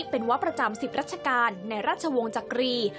เป็นวัดประจำ๑๐ราชการในราชวงศ์จักรี